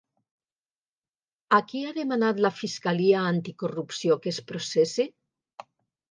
A qui ha demanat la fiscalia anticorrupció que es processi?